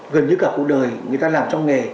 gần như cả cuộc đời người ta làm trong nghề